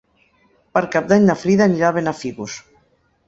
Per Cap d'Any na Frida anirà a Benafigos.